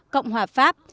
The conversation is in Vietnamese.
cộng hòa pháp